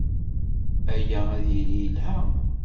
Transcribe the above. Aya ad yili yelha.